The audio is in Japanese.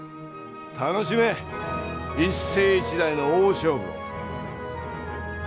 楽しめ一世一代の大勝負を！